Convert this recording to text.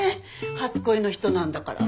初恋の人なんだから。